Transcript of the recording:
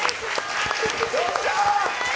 よっしゃ！